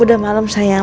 udah malem sayang